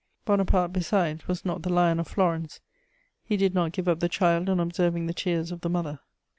Bonaparte, besides, was not the lion of Florence: he did not give up the child on observing the tears of the mother.